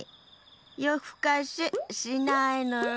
よふかししないのよ！